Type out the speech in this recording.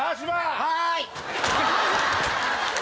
はい。